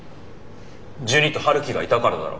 ジュニと陽樹がいたからだろ。